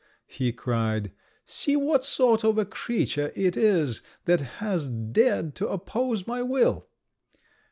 he cried, "see what sort of a creature it is that has dared to oppose my will!"